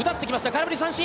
空振り三振。